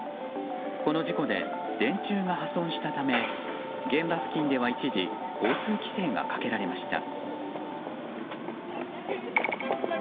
この事故で電柱が破損したため現場付近では一時交通規制がかけられました。